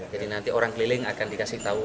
jadi nanti orang keliling akan dikasih tahu